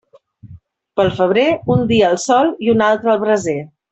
Pel febrer, un dia al sol i un altre al braser.